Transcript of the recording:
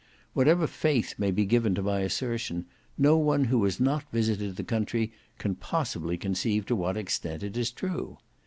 Whatever faith may be given to my assertion, no one who has not visited the country can possibly conceive to what extent it is true.